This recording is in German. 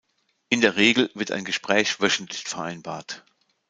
In der Regel wird ein Gespräch wöchentlich vereinbart.